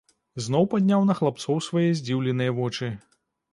Зноў падняў на хлапцоў свае здзіўленыя вочы.